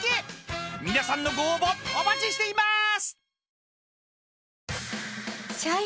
［皆さんのご応募お待ちしていまーす！］